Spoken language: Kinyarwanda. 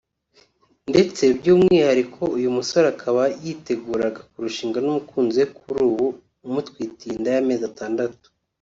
ndetse by’umwihariko uyu musore akaba yiteguraga kurushinga n’umukunzi we kuri ubu umutwitiye inda y’amezi atandatu